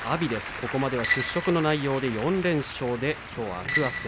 ここまでは出色の内容で４連勝できょうは天空海戦。